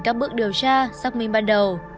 các bước điều tra xác minh ban đầu